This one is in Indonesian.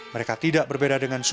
mereka tidak berbeda dengan susu